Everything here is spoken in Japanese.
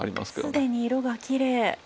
すでに色がきれい。